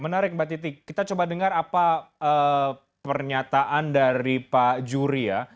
menarik mbak titi kita coba dengar apa pernyataan dari pak juri ya